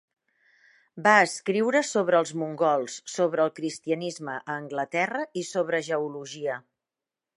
Va escriure sobre els mongols, sobre el cristianisme a Anglaterra i sobre geologia.